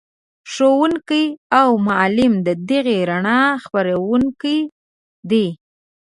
ښوونکی او معلم د دغې رڼا خپروونکی دی.